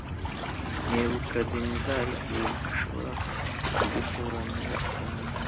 Nebukadinezari ibintu Ashobora kugusobanurira ayo magambo